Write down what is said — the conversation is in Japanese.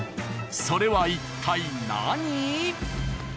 それは一体何？